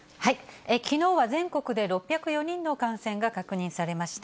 きのうは全国で６０４人の感染が確認されました。